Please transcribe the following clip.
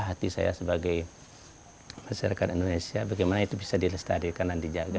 hati saya sebagai masyarakat indonesia bagaimana itu bisa dilestarikan dan dijaga